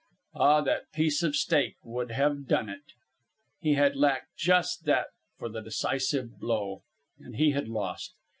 Ah, that piece of steak would have done it! He had lacked just that for the decisive blow, and he had lost.